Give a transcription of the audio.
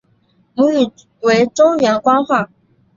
母语为中原官话。